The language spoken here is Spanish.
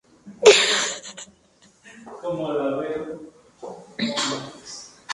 Esta variante de la terapia es más aceptada por los pacientes y personal sanitario.